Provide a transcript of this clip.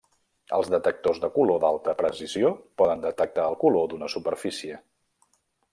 Els detectors de color d'alta precisió poden detectar el color d'una superfície.